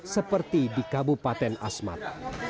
seperti di kabupaten asmat